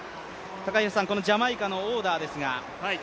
このジャマイカのオーダーですが？